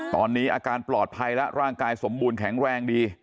ตอนนี้อาการปลอดภัยแล้วร่างกายสมบูรณ์แข็งแรงดี